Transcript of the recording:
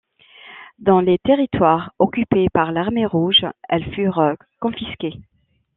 Dans les territoires occupés par l'Armée rouge, elles furent confisquées.